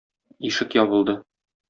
Ишек ябылды.